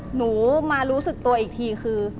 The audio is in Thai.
หนูมารู้สึกตัวอีกทีคือ